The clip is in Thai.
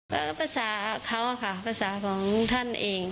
ก็ภาษาเขาค่ะภาษาของท่านเอง